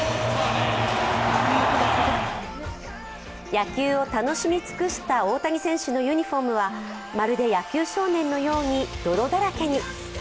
野球を楽しみ尽くした大谷選手のユニフォームはまるで野球少年のように泥だらけに。